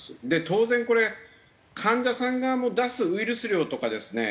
当然これ患者さん側も出すウイルス量とかですね